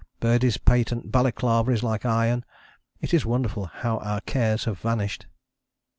Birdie's patent balaclava is like iron it is wonderful how our cares have vanished."